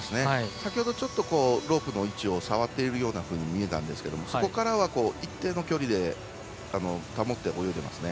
先ほどちょっとロープの位置を触っているように見えたんですけどもそこからは一定の距離を保って泳いでいますね。